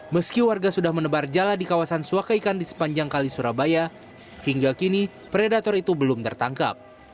meski warga sudah menebar jala di kawasan suaka ikan di sepanjang kali surabaya hingga kini predator itu belum tertangkap